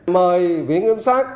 mời viện kiểm soát